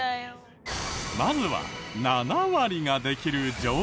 まずは７割ができる常識。